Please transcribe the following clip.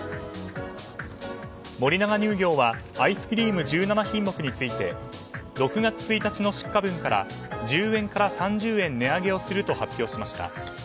森永乳業はアイスクリーム１７品目について６月１日の出荷分から１０円から３０円値上げをすると発表しました。